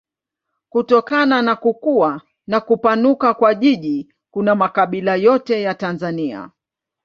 Kutokana na kukua na kupanuka kwa jiji kuna makabila yote ya Tanzania.